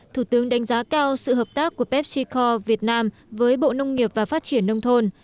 thủ tướng đánh giá cao sự hợp tác của pepsico việt nam với bộ nông nghiệp và phát triển nông thôn